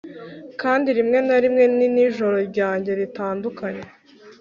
Kandi rimwe na rimwe ni nijoro ryanjye ritanduye